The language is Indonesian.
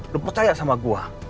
lo percaya sama gue